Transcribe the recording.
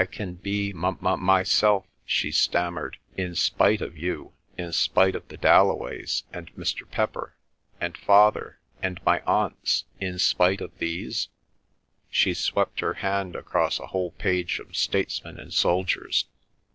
"I can by m m myself," she stammered, "in spite of you, in spite of the Dalloways, and Mr. Pepper, and Father, and my Aunts, in spite of these?" She swept her hand across a whole page of statesmen and soldiers.